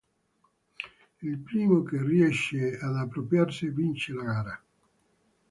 Il primo che riesce ad appropriarsene vince la gara.